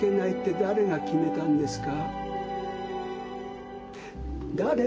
誰が決めたんですか？